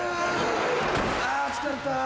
あ疲れた。